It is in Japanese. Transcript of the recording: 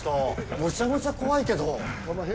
むちゃむちゃ怖いけど。